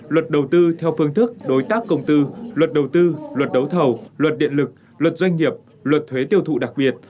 luật đầu tư theo phương thức đối tác công tư luật đầu tư luật đấu thầu luật điện lực luật doanh nghiệp luật thuế tiêu thụ đặc biệt